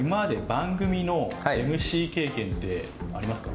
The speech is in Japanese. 番組のＭＣ経験ってありますか？